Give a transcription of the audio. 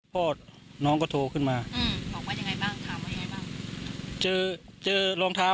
พ่อน้องก็โทรขึ้นมาว่ายังไงบ้าง